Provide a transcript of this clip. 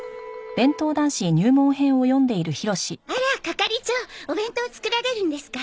あら係長お弁当作られるんですか？